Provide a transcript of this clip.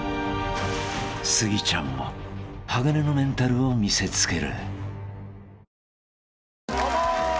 ［スギちゃんも鋼のメンタルを見せつける］